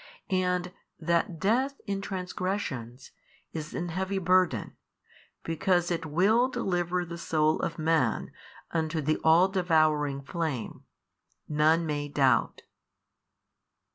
And that death in transgressions is an heavy burden, because it will deliver the soul of man unto the all devouring flame, none may doubt.